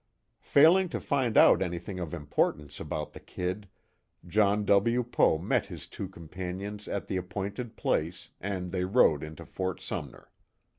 Failing to find out anything of importance about the "Kid," John W. Poe met his two companions at the appointed place, and they rode into Fort Sumner.